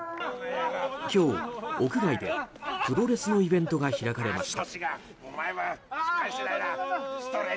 今日、屋外でプロレスのイベントが開かれました。